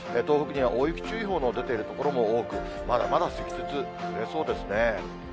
東北には大雪注意報の出ている所も多く、まだまだ積雪、出そうですね。